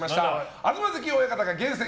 東関親方が厳選！